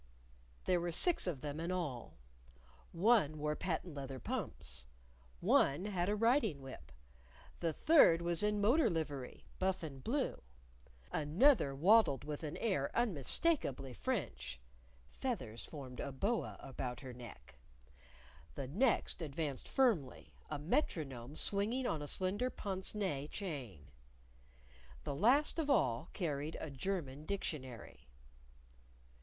There were six of them in all. One wore patent leather pumps; one had a riding whip; the third was in motor livery buff and blue; another waddled with an air unmistakably French (feathers formed a boa about her neck); the next advanced firmly, a metronome swinging on a slender pince nez chain; the last one of all carried a German dictionary.